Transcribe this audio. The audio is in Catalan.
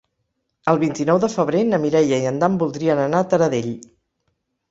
El vint-i-nou de febrer na Mireia i en Dan voldrien anar a Taradell.